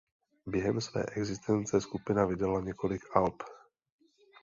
Během své existence skupina vydala několik alb.